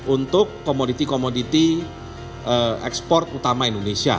untuk komoditi komoditi ekspor utama indonesia